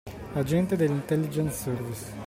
Agenti dell’Intelligence Service